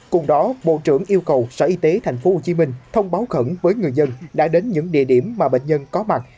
cùng đó bộ trưởng yêu cầu sở y tế tp hcm thông báo khẩn với người dân đã đến những địa điểm mà bệnh nhân có mặt